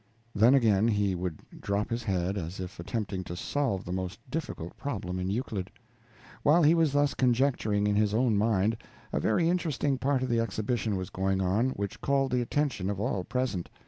Then, again, he would drop his head, as if attempting to solve the most difficult problem in Euclid. While he was thus conjecturing in his own mind, a very interesting part of the exhibition was going on, which called the attention of all present.